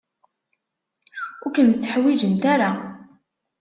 Ur kem-tteḥwijint ara.